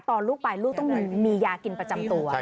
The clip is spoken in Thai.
ลูกไปลูกต้องมียากินประจำตัว